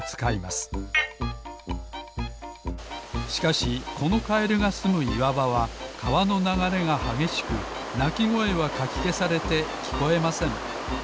しかしこのカエルがすむいわばはかわのながれがはげしくなきごえはかきけされてきこえません。